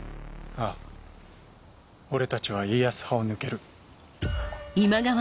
ああ俺たちは家康派を抜ける。